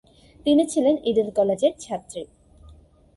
তিনি ছিলেন ইডেন কলেজের ছাত্রী।